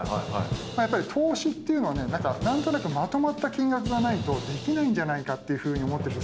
やっぱり投資っていうのはね何となくまとまった金額がないとできないんじゃないかっていうふうに思ってる人